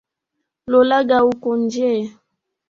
Lolaga uko nje.